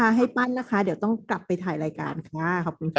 ให้ปั้นนะคะเดี๋ยวต้องกลับไปถ่ายรายการค่ะขอบคุณค่ะ